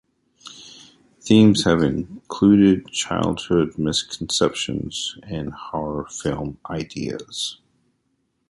Themes have included "Childhood Misconceptions" and "Horror Film Ideas".